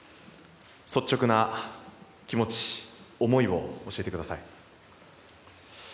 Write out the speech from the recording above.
率直な気持ち、思いを教えてください。